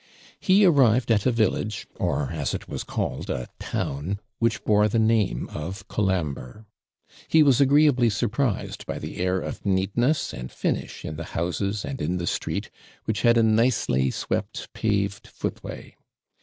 He arrived at a village, or, as it was called, a town, which bore the name of Colambre. He was agreeably surprised by the air of neatness and finish in the houses and in the street, which had a nicely swept paved footway.